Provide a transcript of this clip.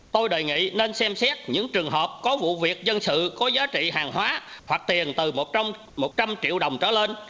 tôi đề nghị nên xem xét những trường hợp có vụ việc dân sự có giá trị hàng hóa hoặc tiền từ một trăm linh triệu đồng trở lên